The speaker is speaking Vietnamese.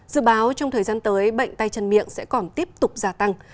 dự báo trong thời gian tới bệnh tay chân miệng sẽ còn tiếp tục giả tăng